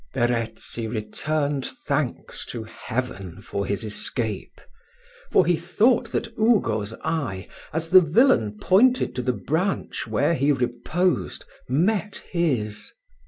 Verezzi returned thanks to Heaven for his escape; for he thought that Ugo's eye, as the villain pointed to the branch where he reposed, met his.